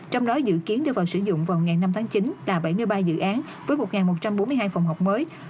trong đó dự kiến đưa vào sử dụng vào ngày năm tháng chín là bảy mươi ba dự án với một một trăm bốn mươi hai phòng học mới